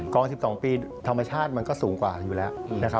อง๑๒ปีธรรมชาติมันก็สูงกว่าอยู่แล้วนะครับ